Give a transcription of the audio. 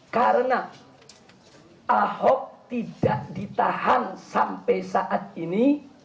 karena ahok tidak ditahan sampai saat ini